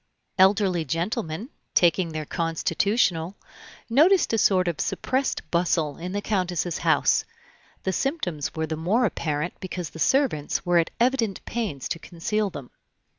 Elderly gentlemen, taking their constitutional, noticed a sort of suppressed bustle in the Countess's house; the symptoms were the more apparent because the servants were at evident pains to conceal them.